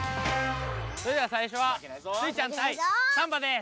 それじゃさいしょはスイちゃんたいサンバです！